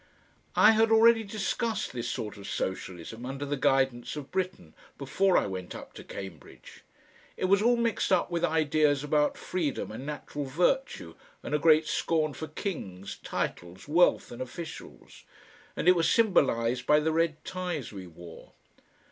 I had already discussed this sort of socialism under the guidance of Britten, before I went up to Cambridge. It was all mixed up with ideas about freedom and natural virtue and a great scorn for kings, titles, wealth and officials, and it was symbolised by the red ties we wore.